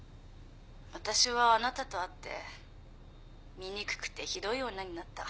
私はあなたと会って醜くてひどい女になった。